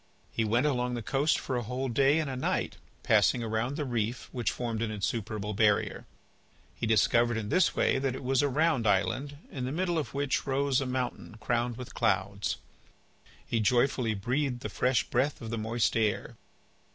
He went along the coast for a whole day and a night, passing around the reef which formed an insuperable barrier. He discovered in this way that it was a round island in the middle of which rose a mountain crowned with clouds. He joyfully breathed the fresh breath of the moist air.